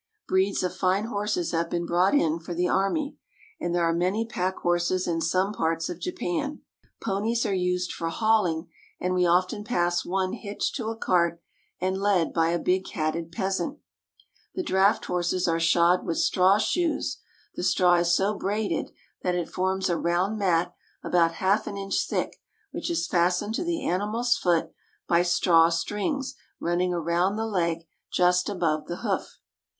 Breeds of fine horses have been brought in for the army, and there are many pack horses in some parts of Japan. Ponies are used for hauHng, and we often pass one hitched to a cart and led by a big hatted peasant. The JAPANESE FARMS AND FARMERS 8 1 draft horses are shod with straw shoes ; the straw is so braided that it forms a round mat about half an inch thick, which is fastened to the animal's foot by straw strings run ning around the leg just above the hoof.